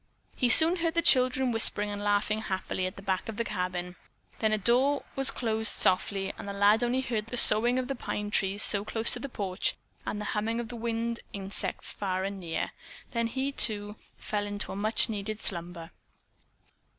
He soon heard the children whispering and laughing happily at the back of the cabin, then a door was closed softly and the lad heard only the soughing in the pine trees close to the porch and the humming of the winged insects far and near. Then he, too, fell into a much needed slumber.